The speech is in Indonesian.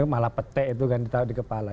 malah petai itu kan di kepala